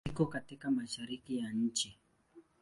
Iko katika Mashariki ya nchi.